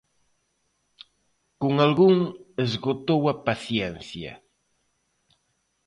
Con algún esgotou a paciencia.